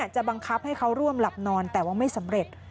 จะบังคับให้เขาร่วมหลับนอนแต่ว่าไม่สำเร็จ